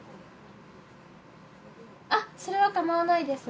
あっそれは構わないです。